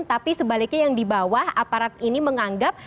tapi sebaliknya yang di bawah aparat ini menganggap